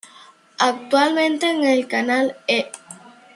Actualmente, en el canal E!